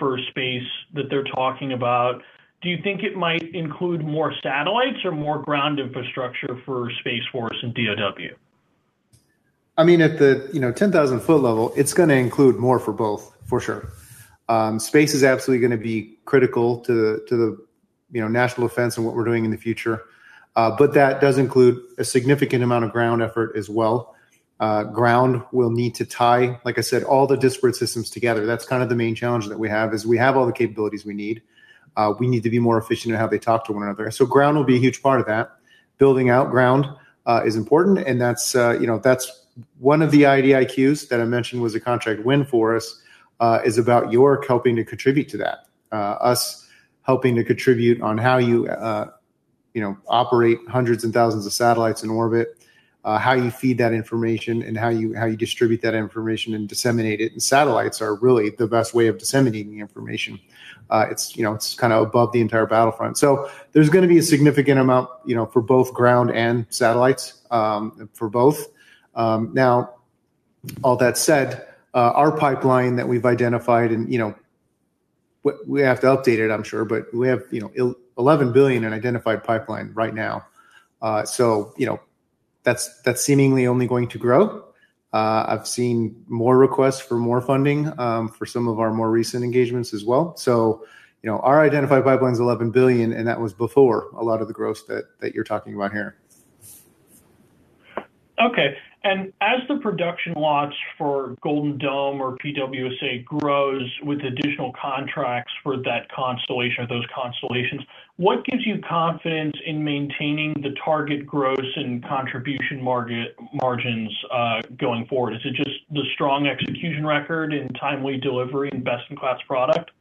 for space that they're talking about? Do you think it might include more satellites or more ground infrastructure for Space Force and DoW? I mean, at the you know 10,000-ft level, it's gonna include more for both, for sure. Space is absolutely gonna be critical to the you know national defense and what we're doing in the future. That does include a significant amount of ground effort as well. Ground will need to tie, like I said, all the disparate systems together. That's kind of the main challenge that we have, is we have all the capabilities we need. We need to be more efficient in how they talk to one another. Ground will be a huge part of that. Building out ground is important, and that's you know that's one of the IDIQs that I mentioned was a contract win for us is about York helping to contribute to that. Us helping to contribute on how you know, operate hundreds and thousands of satellites in orbit, how you feed that information and how you distribute that information and disseminate it. Satellites are really the best way of disseminating the information. It's you know, kind of above the entire battlefront. There's gonna be a significant amount, you know, for both ground and satellites, for both. Now all that said, our pipeline that we've identified and, you know, we have to update it, I'm sure, but we have, you know, $11 billion in identified pipeline right now. You know, that's seemingly only going to grow. I've seen more requests for more funding, for some of our more recent engagements as well. You know, our identified pipeline's $11 billion, and that was before a lot of the growth that you're talking about here. Okay. As the production launch for Golden Dome or PWSA grows with additional contracts for that constellation or those constellations, what gives you confidence in maintaining the target gross and contribution margins, going forward? Is it just the strong execution record and timely delivery and best-in-class product?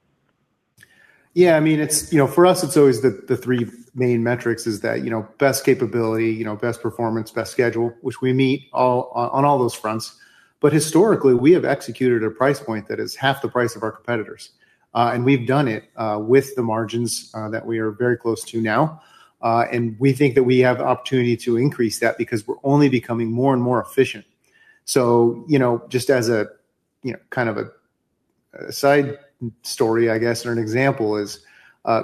Yeah. I mean, it's you know, for us, it's always the three main metrics is that, you know, best capability, you know, best performance, best schedule, which we meet all on all those fronts. Historically, we have executed a price point that is half the price of our competitors. And we've done it with the margins that we are very close to now. And we think that we have opportunity to increase that because we're only becoming more and more efficient. You know, just as a, you know, kind of a side story, I guess, or an example is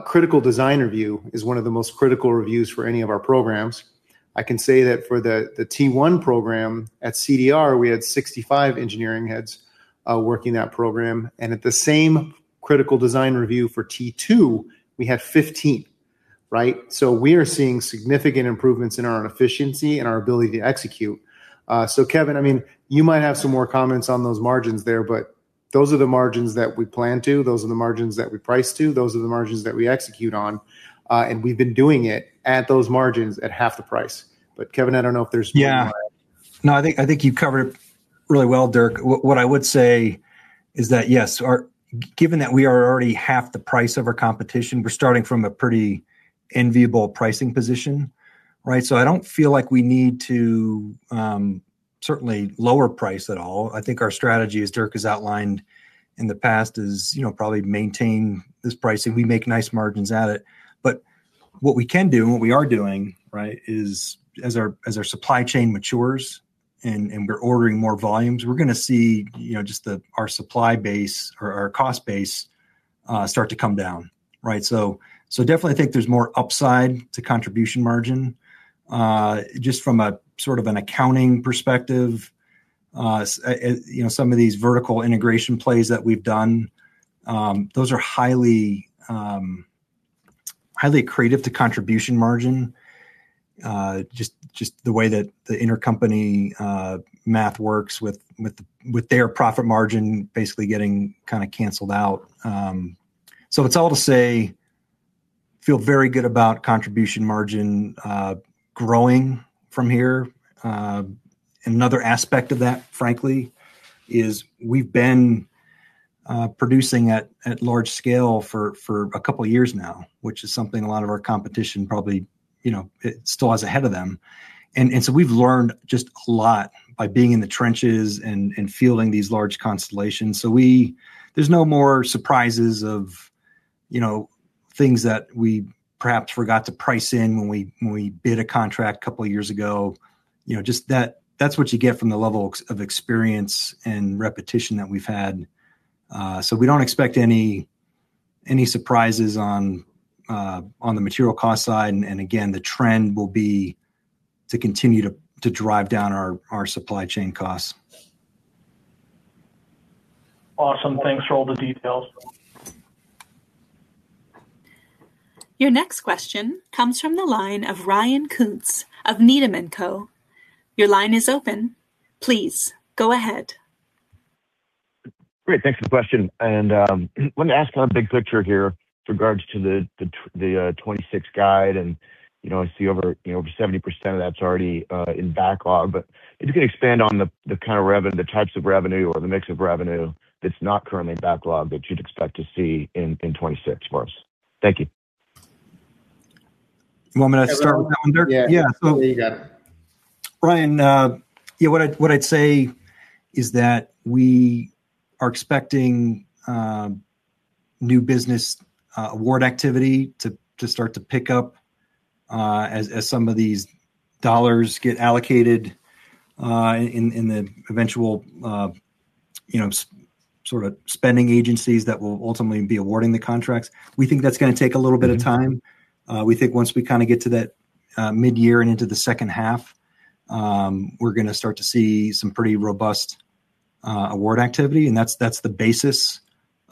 critical design review is one of the most critical reviews for any of our programs. I can say that for the T1 program at CDR, we had 65 engineering heads working that program, and at the same critical design review for T2, we had 15, right? We are seeing significant improvements in our efficiency and our ability to execute. Kevin, I mean, you might have some more comments on those margins there, but those are the margins that we plan to, those are the margins that we price to, those are the margins that we execute on. We've been doing it at those margins at half the price. Kevin, I don't know if there's more you want to add. Yeah. No, I think you've covered it really well, Dirk. What I would say is that, yes. Given that we are already half the price of our competition, we're starting from a pretty enviable pricing position, right? I don't feel like we need to certainly lower price at all. I think our strategy, as Dirk has outlined in the past, is, you know, probably maintain this pricing. We make nice margins at it. What we can do and what we are doing, right, is as our supply chain matures and we're ordering more volumes, we're gonna see, you know, just our supply base or our cost base start to come down, right? Definitely I think there's more upside to contribution margin. Just from a sort of an accounting perspective, you know, some of these vertical integration plays that we've done, those are highly accretive to contribution margin. Just the way that the intercompany math works with their profit margin basically getting kind of canceled out. It's all to say, feel very good about contribution margin growing from here. Another aspect of that, frankly, is we've been producing at large scale for a couple of years now, which is something a lot of our competition probably, you know, it still has ahead of them. We've learned just a lot by being in the trenches and fielding these large constellations. There's no more surprises of, you know, things that we perhaps forgot to price in when we bid a contract a couple of years ago. You know, just that's what you get from the level of experience and repetition that we've had. We don't expect any surprises on the material cost side. Again, the trend will be to continue to drive down our supply chain costs. Awesome. Thanks for all the details. Your next question comes from the line of Ryan Koontz of Needham & Company. Your line is open. Please go ahead. Great. Thanks for the question. Let me ask kind of big picture here with regards to the 2026 guide, you know, I see over, you know, over 70% of that's already in backlog. If you could expand on the kind of revenue, the types of revenue or the mix of revenue that's not currently in backlog that you'd expect to see in 2026 for us. Thank you. You want me to start with that one, Dirk? Yeah. Go ahead. Yeah. Ryan, yeah, what I'd say is that we are expecting new business award activity to start to pick up as some of these dollars get allocated in the eventual you know sort of spending agencies that will ultimately be awarding the contracts. We think that's gonna take a little bit of time. We think once we kind of get to that mid-year and into the second half, we're gonna start to see some pretty robust award activity, and that's the basis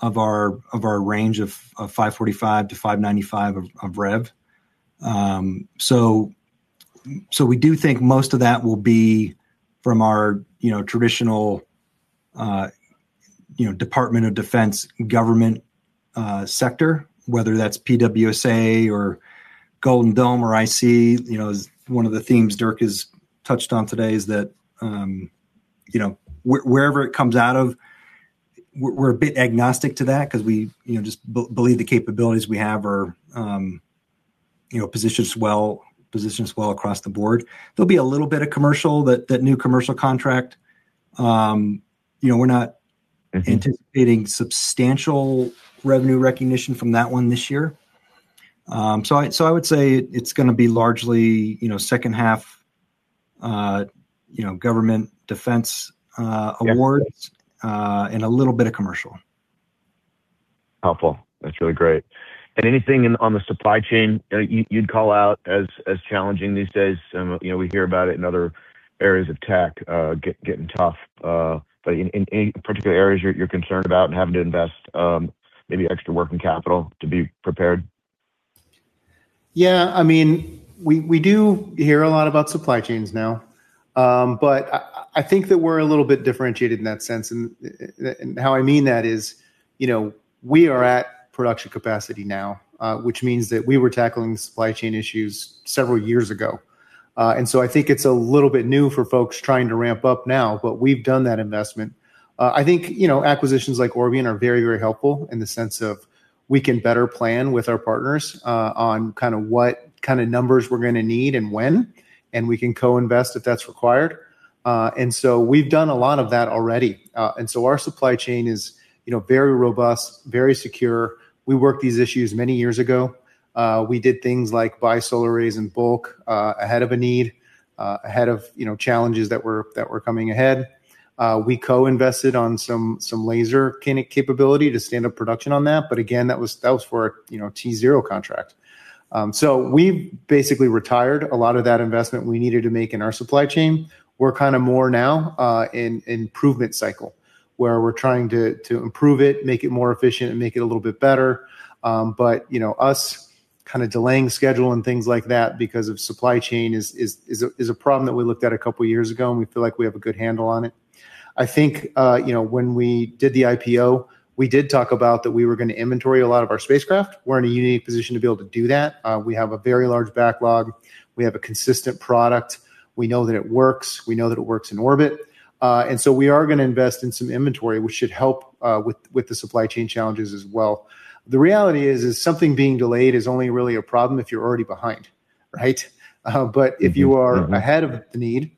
of our range of $545-$595 of rev. We do think most of that will be from our you know traditional you know Department of Defense government sector, whether that's PWSA or Golden Dome or IC. You know, one of the themes Dirk has touched on today is that, you know, wherever it comes out of, we're a bit agnostic to that because we, you know, just believe the capabilities we have are, you know, positioned well across the board. There'll be a little bit of commercial, that new commercial contract. You know, we're not anticipating substantial revenue recognition from that one this year. I would say it's gonna be largely, you know, second half, you know, government defense awards, and a little bit of commercial. Helpful. That's really great. Anything in, on the supply chain, you'd call out as challenging these days? You know, we hear about it in other areas of tech, getting tough. But any particular areas you're concerned about and having to invest, maybe extra working capital to be prepared? Yeah. I mean, we do hear a lot about supply chains now. I think that we're a little bit differentiated in that sense. How I mean that is, you know, we are at production capacity now, which means that we were tackling supply chain issues several years ago. I think it's a little bit new for folks trying to ramp up now, but we've done that investment. I think, you know, acquisitions like Orbion are very, very helpful in the sense of we can better plan with our partners on kinda what numbers we're gonna need and when, and we can co-invest if that's required. We've done a lot of that already. Our supply chain is, you know, very robust, very secure. We worked these issues many years ago. We did things like buy solar arrays in bulk ahead of a need, you know, challenges that were coming ahead. We co-invested on some laser capability to stand up production on that. Again, that was for, you know, a T0 contract. We've basically retired a lot of that investment we needed to make in our supply chain. We're kinda more now in improvement cycle, where we're trying to improve it, make it more efficient, and make it a little bit better. You know, us kinda delaying schedule and things like that because of supply chain is a problem that we looked at a couple years ago, and we feel like we have a good handle on it. I think, you know, when we did the IPO, we did talk about that we were gonna inventory a lot of our spacecraft. We're in a unique position to be able to do that. We have a very large backlog. We have a consistent product. We know that it works. We know that it works in orbit. We are gonna invest in some inventory, which should help with the supply chain challenges as well. The reality is something being delayed is only really a problem if you're already behind, right? If you are ahead of the need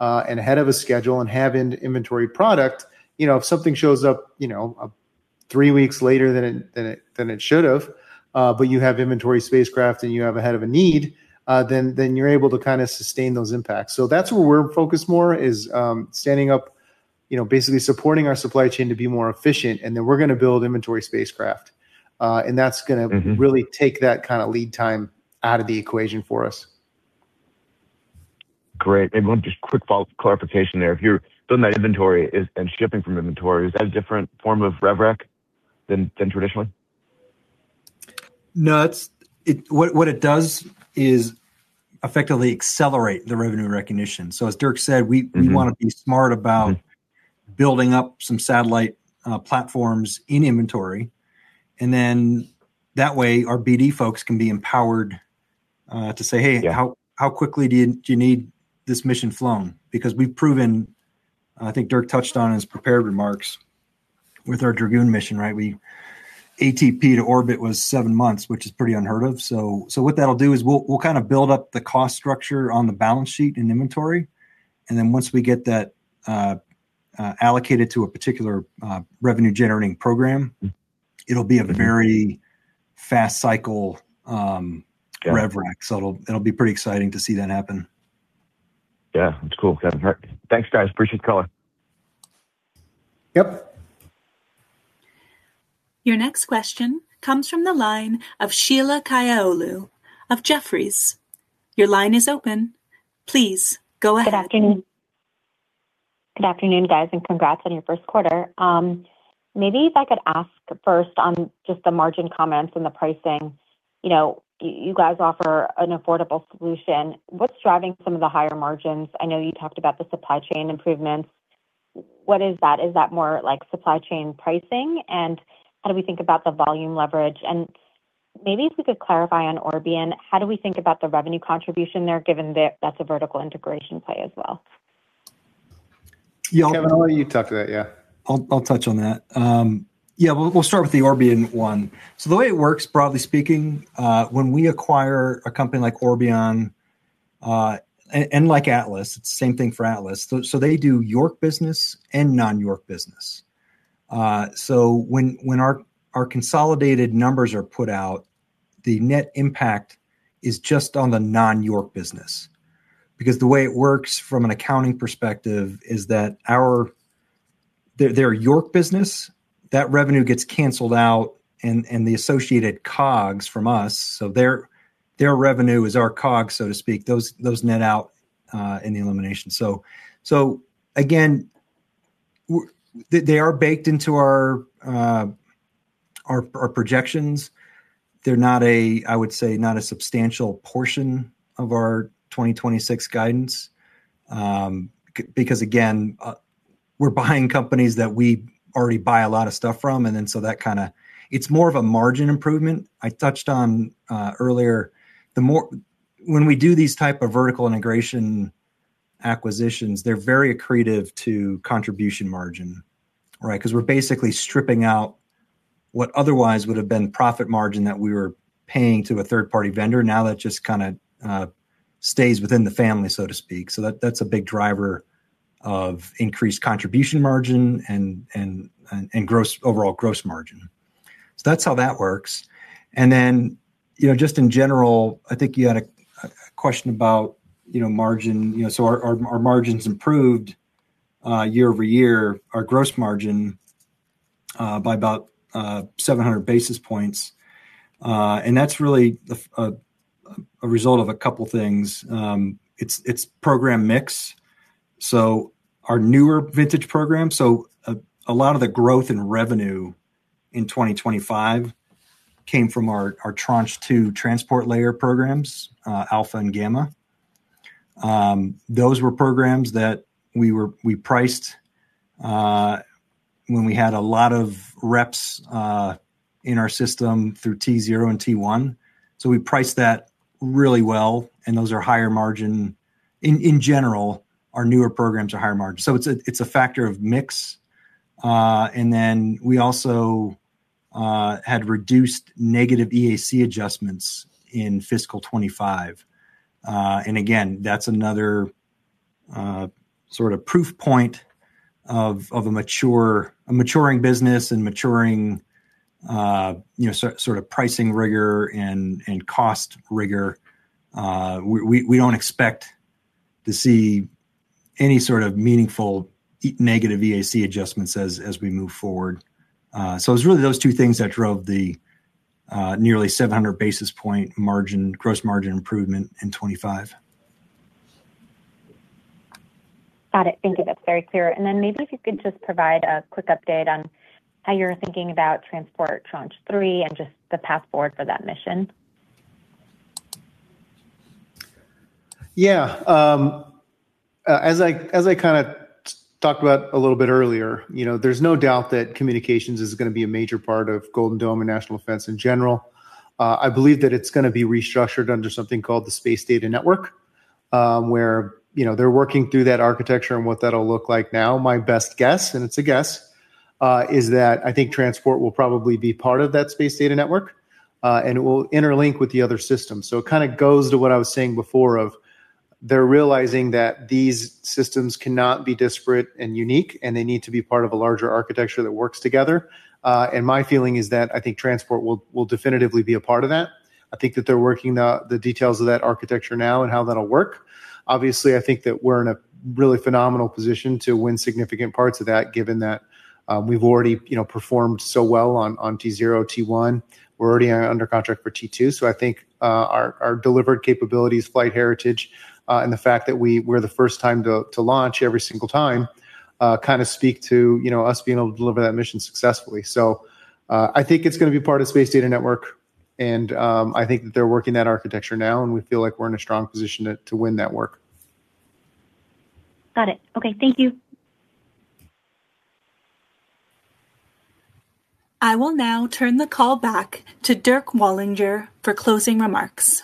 and ahead of a schedule and have in-hand inventory product, you know, if something shows up, you know, three weeks later than it should've, but you have inventory spacecraft and you have ahead of a need, then you're able to kinda sustain those impacts. That's where we're focused more is standing up, you know, basically supporting our supply chain to be more efficient, and then we're gonna build inventory spacecraft. That's gonna really take that kinda lead time out of the equation for us. Great. Maybe one just quick follow-up clarification there. If you're building that inventory and shipping from inventory, is that a different form of rev rec than traditionally? No, what it does is effectively accelerate the revenue recognition. As Dirk said, we wanna be smart about building up some satellite platforms in inventory, and then that way our BD folks can be empowered to say, "Hey, how quickly do you need this mission flown?" Because we've proven, I think Dirk touched on in his prepared remarks, with our Dragoon mission, right? We ATP to orbit was 7 months, which is pretty unheard of. What that'll do is we'll kinda build up the cost structure on the balance sheet in inventory, and then once we get that, allocated to a particular revenue-generating program. It'll be a very fast cycle rev rec. It'll be pretty exciting to see that happen. Yeah. That's cool, Kevin. Alright. Thanks, guys. Appreciate the call. Yep. Your next question comes from the line of Sheila Kahyaoglu of Jefferies. Your line is open. Please go ahead. Good afternoon, guys, and congrats on your first quarter. Maybe if I could ask first on just the margin comments and the pricing. You know, you guys offer an affordable solution. What's driving some of the higher margins? I know you talked about the supply chain improvements. What is that? Is that more like supply chain pricing? And how do we think about the volume leverage? And maybe if we could clarify on Orbion, how do we think about the revenue contribution there, given that that's a vertical integration play as well? Yeah. Kevin, why don't you talk to that? I'll touch on that. Yeah. We'll start with the Orbion one. The way it works, broadly speaking, when we acquire a company like Orbion, and like ATLAS, it's the same thing for ATLAS. They do York business and non-York business. When our consolidated numbers are put out, the net impact is just on the non-York business. Because the way it works from an accounting perspective is that their York business, that revenue gets canceled out and the associated COGS from us. Their revenue is our COGS, so to speak. Those net out in the elimination. They are baked into our projections. They're not, I would say, not a substantial portion of our 2026 guidance. Because again, we're buying companies that we already buy a lot of stuff from, and then so that kind of. It's more of a margin improvement. I touched on earlier. When we do these type of vertical integration acquisitions, they're very accretive to contribution margin, right? Because we're basically stripping out what otherwise would have been profit margin that we were paying to a third-party vendor. Now that just kind of stays within the family, so to speak. So that's a big driver of increased contribution margin and overall gross margin. So that's how that works. You know, just in general, I think you had a question about, you know, margin. You know, our margins improved year-over-year, our gross margin by about 700 basis points. That's really the result of a couple things. It's program mix. Our newer vintage program. A lot of the growth in revenue in 2025 came from our Tranche 2 transport layer programs, Alpha and Gamma. Those were programs that we priced when we had a lot of reps in our system through T0 and T1. We priced that really well, and those are higher margin. In general, our newer programs are higher margin. It's a factor of mix. We also had reduced negative EAC adjustments in fiscal 2025. Again, that's another sort of proof point of a maturing business and maturing, you know, sort of pricing rigor and cost rigor. We don't expect to see any sort of meaningful negative EAC adjustments as we move forward. It's really those two things that drove the nearly 700 basis point gross margin improvement in 2025. Got it. Thank you. That's very clear. Maybe if you could just provide a quick update on how you're thinking about Transport Tranche 3 and just the path forward for that mission? Yeah. As I kinda talked about a little bit earlier, you know, there's no doubt that communications is gonna be a major part of Golden Dome and national defense in general. I believe that it's gonna be restructured under something called the Space Data Network, where, you know, they're working through that architecture and what that'll look like now. My best guess, and it's a guess, is that I think Transport will probably be part of that Space Data Network, and it will interlink with the other systems. It kinda goes to what I was saying before of they're realizing that these systems cannot be disparate and unique, and they need to be part of a larger architecture that works together. My feeling is that I think Transport will definitively be a part of that. I think that they're working the details of that architecture now and how that'll work. Obviously, I think that we're in a really phenomenal position to win significant parts of that given that we've already, you know, performed so well on T0, T1. We're already under contract for T2. I think our delivered capabilities, flight heritage, and the fact that we're the first time to launch every single time kind of speak to, you know, us being able to deliver that mission successfully. I think it's gonna be part of Space Data Network, and I think that they're working that architecture now, and we feel like we're in a strong position to win that work. Got it. Okay, thank you. I will now turn the call back to Dirk Wallinger for closing remarks.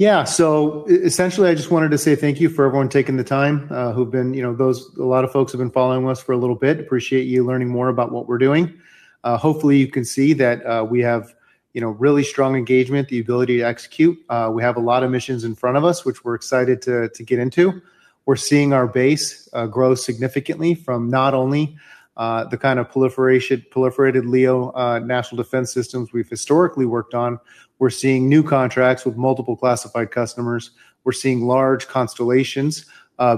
Essentially, I just wanted to say thank you for everyone taking the time who've been. A lot of folks have been following us for a little bit. Appreciate you learning more about what we're doing. Hopefully you can see that we have really strong engagement, the ability to execute. We have a lot of missions in front of us which we're excited to get into. We're seeing our base grow significantly from not only the kind of proliferated LEO national defense systems we've historically worked on. We're seeing new contracts with multiple classified customers. We're seeing large constellations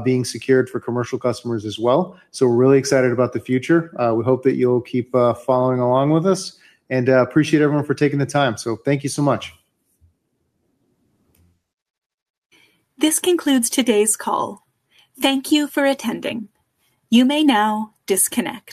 being secured for commercial customers as well. We're really excited about the future. We hope that you'll keep following along with us. Appreciate everyone for taking the time. So, thank you so much. This concludes today's call. Thank you for attending. You may now disconnect.